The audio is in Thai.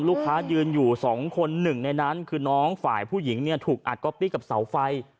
ยืนอยู่สองคนหนึ่งในนั้นคือน้องฝ่ายผู้หญิงเนี่ยถูกอัดก๊อปปี้กับเสาไฟ